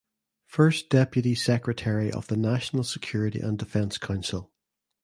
First Deputy Secretary of the National Security and Defense Council.